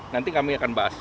nanti kami akan bahas